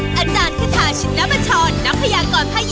กลับเข้าสู่ช่วงที่สองของโหราแซ่บนะคะเดี๋ยวมาอัปเดตรวงกันต่อเลย